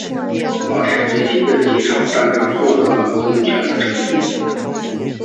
马克沁机枪在战场上获得了空前的成功。